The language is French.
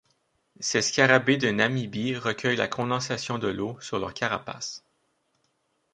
Ces scarabées de Namibie recueillent la condensation de l'eau sur leur carapace.